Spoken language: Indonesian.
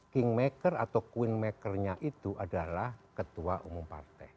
kingmaker atau queenmaker nya itu adalah ketua umum partai